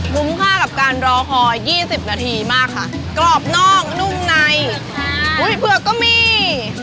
คุ้มค่ากับการรอคอย๒๐นาทีมากค่ะกรอบนอกนุ่มในอุ้ยเผือกก็มี